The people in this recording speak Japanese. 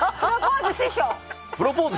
プロポーズ。